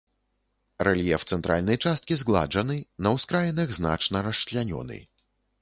Рэльеф цэнтральнай часткі згладжаны, на ўскраінах значна расчлянёны.